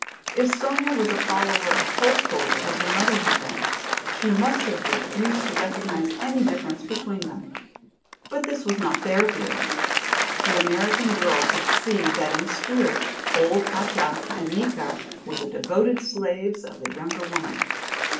If Sonya was a follower of Tolstoi as her mother had been, she must have refused to recognize any difference between them. But this was not their feeling. The American girl could see that in spirit old Katja and Nika were the devoted slaves of the younger woman.